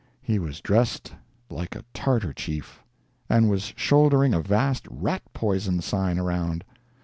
He was dressed like a Tartar chief, and was shouldering a vast rat poison sign around.